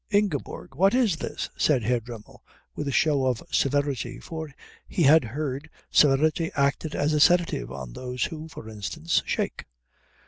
"Ingeborg, what is this?" said Herr Dremmel with a show of severity, for he had heard severity acted as a sedative on those who, for instance, shake.